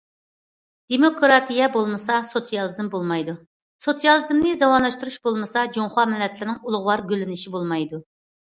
دېموكراتىيە بولمىسا، سوتسىيالىزم بولمايدۇ، سوتسىيالىزمنى زامانىۋىلاشتۇرۇش بولمىسا، جۇڭخۇا مىللەتلىرىنىڭ ئۇلۇغۋار گۈللىنىشى بولمايدۇ.